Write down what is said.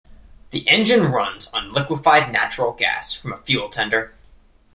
The engine runs on liquefied natural gas from a fuel tender.